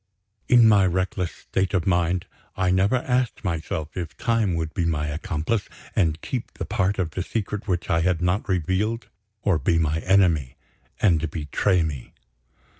In my reckless state of mind, I never asked myself if Time would be my accomplice, and keep the part of the secret which I had not revealed or be my enemy, and betray me.